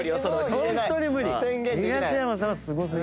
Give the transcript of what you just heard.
ホントに無理！